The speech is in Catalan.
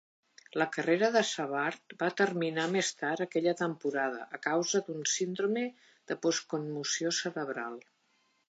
La carrera de Savard va terminar més tard aquella temporada a causa d'un síndrome de postconmoció cerebral.